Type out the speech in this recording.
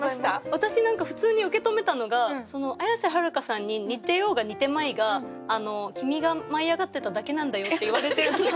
私何か普通に受け止めたのが綾瀬はるかさんに似てようが似てまいが君が舞い上がってただけなんだよって言われてる感じで。